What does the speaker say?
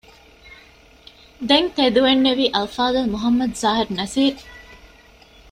ދެން ތެދުވެންނެވީ އަލްފާޟިލް މުޙައްމަދު ޒާހިރު ނަޞީރު